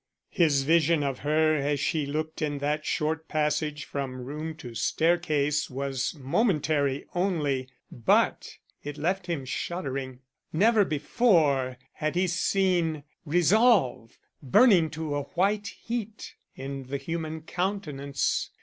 His vision of her as she looked in that short passage from room to staircase was momentary only, but it left him shuddering. Never before had he seen resolve burning to a white heat in the human countenance.